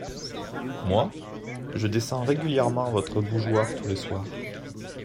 Moi ? je descends régulièrement votre bougeoir tous les soirs.